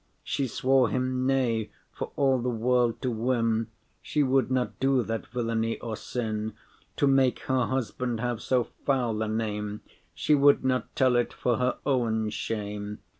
She swore him, nay, for all the world to win, She would not do that villainy or sin, To make her husband have so foul a name: She would not tell it for her owen shame.